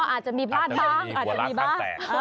อ๋ออาจจะมีบ้านบ้างอาจจะมีบ้าง